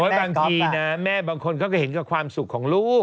บางทีนะแม่บางคนเขาก็เห็นกับความสุขของลูก